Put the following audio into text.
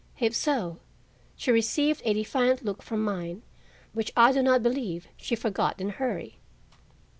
If so, she received a defiant look from mine, which I do not believe she forgot in a hurry.